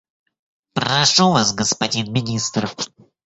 Прошу Вас, господин Министр.